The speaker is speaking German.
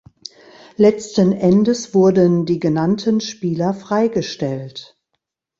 Letzten Endes wurden die genannten Spieler freigestellt.